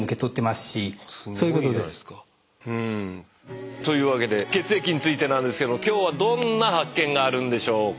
すごいじゃないですか。というわけで血液についてなんですけども今日はどんな発見があるんでしょうか。